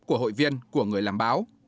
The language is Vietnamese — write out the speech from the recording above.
của hội viên của người làm báo